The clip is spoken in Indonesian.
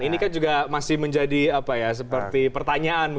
ini kan juga masih menjadi seperti pertanyaan